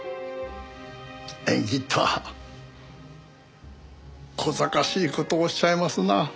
縁起とはこざかしい事をおっしゃいますな。